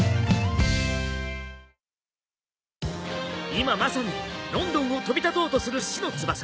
今まさにロンドンを飛び立とうとする死の翼。